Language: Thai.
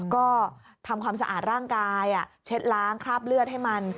ก็ทำความสะอาดร่างกายเช็ดล้างคราบเลือดให้มัน